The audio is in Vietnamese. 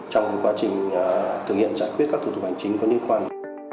trong quá trình thực hiện chặt chẽ các thủ tục hành chính có liên quan